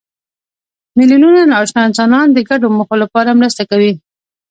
میلیونونه ناآشنا انسانان د ګډو موخو لپاره مرسته کوي.